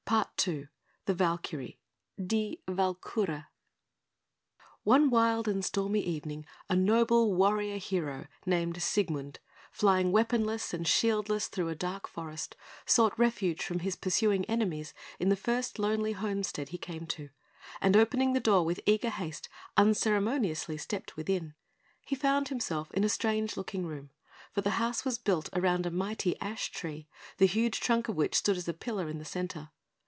PART II THE VALKYRIE (Die Walküre) One wild and stormy evening, a noble warrior hero, named Siegmund, flying weaponless and shieldless through a dark forest, sought refuge from his pursuing enemies in the first lonely homestead he came to, and opening the door with eager haste, unceremoniously stepped within. He found himself in a strange looking room; for the house was built around a mighty ash tree, the huge trunk of which stood as a pillar in the centre.